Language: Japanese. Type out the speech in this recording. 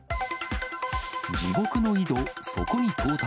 地獄の井戸、底に到達。